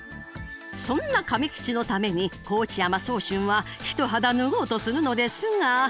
そんな亀吉のために河内山宗俊は一肌脱ごうとするのですが。